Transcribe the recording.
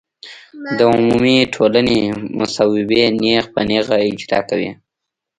د عمومي ټولنې مصوبې نېغ په نېغه اجرا کوي.